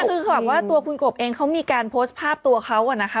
คือเขาบอกว่าตัวคุณกบเองเขามีการโพสต์ภาพตัวเขาอะนะคะ